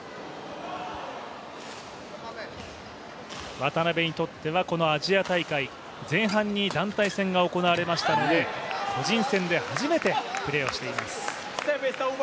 渡辺にとってはこのアジア大会前半に団体戦が行われましたので個人戦で初めてプレーをしています。